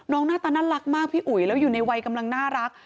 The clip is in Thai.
หน้าตาน่ารักมากพี่อุ๋ยแล้วอยู่ในวัยกำลังน่ารัก